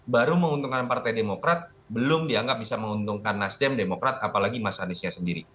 baru menguntungkan partai demokrat belum dianggap bisa menguntungkan nasdem demokrat apalagi mas aniesnya sendiri